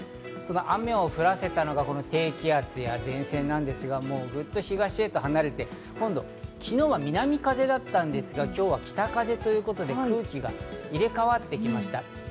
雨を降らせたのが低気圧や前線なんですが、ぐっと東へと離れて、昨日は南風だったんですが、今日は北風ということで、空気が入れ替わってきました。